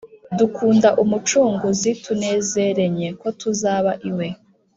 dukunda umucunguzi, tunezerenye kotuzaba i we.